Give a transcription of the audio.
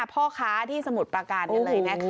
พ่อค้าที่สมุทรประการอยู่เลยนะครับ